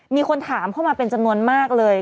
มีคนถามเข้ามาเป็นจำนวนมากเลย